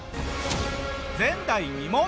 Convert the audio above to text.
前代未聞！